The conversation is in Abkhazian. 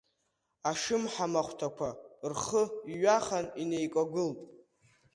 Ашымҳа махәҭакәа рхы иҩахан инеикәагылт.